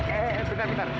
eh eh eh bentar bentar